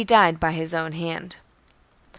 c. died by his own hand. 5.